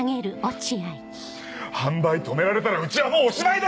販売止められたらうちはもうおしまいだよ！